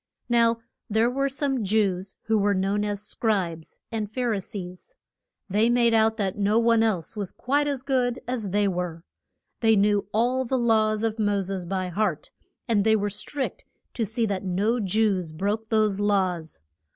Now there were some Jews who were known as Scribes and Phar i sees. They made out that no one else was quite as good as they were. They knew all the laws of Mo ses by heart, and they were strict to see that no Jews broke those laws.